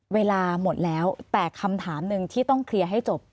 เวลาหมดแล้วแต่คำถามหนึ่งที่ต้องเคลียร์ให้จบ